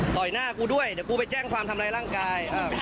หน้ากูด้วยเดี๋ยวกูไปแจ้งความทำร้ายร่างกาย